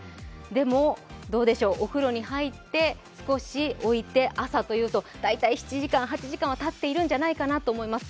でもお風呂に入って少し置いて朝というと、大体７時間、８時間はたっているんじゃないかなと思います。